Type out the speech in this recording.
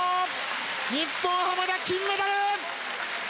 日本、濱田、金メダル！